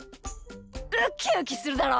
ウキウキするだろ？